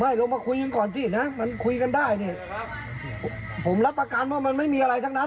ลงมาคุยกันก่อนสินะมันคุยกันได้เนี่ยผมรับประกันว่ามันไม่มีอะไรทั้งนั้น